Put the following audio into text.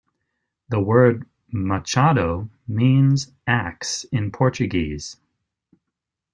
The word "machado" means axe in Portuguese.